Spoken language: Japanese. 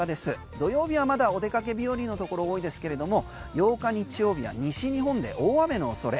土曜日はまだお出かけ日和のところ多いですけれども８日日曜日は西日本で大雨の恐れ。